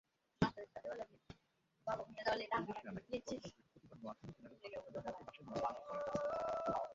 Police জানায়, গতকাল বৃহস্পতিবার নোয়াখালী জেনারেল হাসপাতালের মর্গে লাশের ময়নাতদন্ত করা হয়।